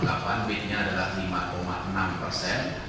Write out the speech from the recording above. dan bidnya adalah lima enam persen